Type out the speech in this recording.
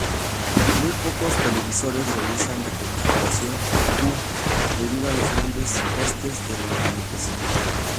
Muy pocos televisores realizan decodificación I-Q, debido a los grandes costes de la implementación.